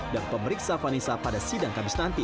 dan pemeriksa vanessa pada sidang kamis nanti